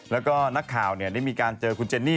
แล้วก็นักข่าวได้มีการเจอคุณเจนนี่